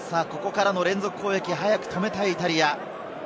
ここからの連続攻撃を早く止めたいイタリア。